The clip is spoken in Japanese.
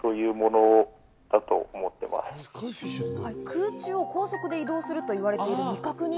空中を高速で移動すると言われている未確認